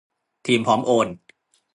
ทีมพร้อมโอน